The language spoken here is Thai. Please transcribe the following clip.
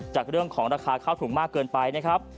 จากเรื่องของราคาข้าวถุงมากเกินไปนะครับ